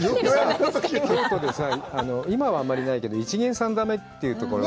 今はあんまりないけど、一見さんだめというところが。